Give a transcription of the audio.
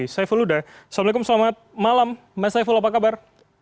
saiful huda assalamualaikum selamat malam mas saiful apa kabar